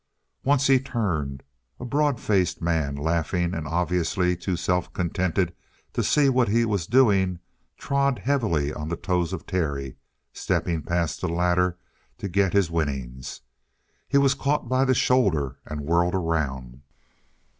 Once he turned. A broad faced man, laughing and obviously too self contented to see what he was doing, trod heavily on the toes of Terry, stepping past the latter to get his winnings. He was caught by the shoulder and whirled around.